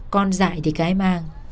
con dại thì cái mang